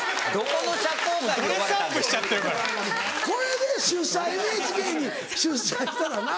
これで出社ＮＨＫに出社したらな。